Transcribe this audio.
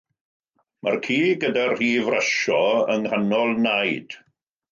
Mae'r ci gyda'r rhif rasio yng nghanol naid